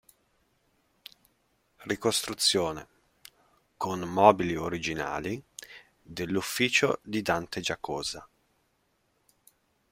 Ricostruzione, con mobili originali, dell'ufficio di Dante Giacosa.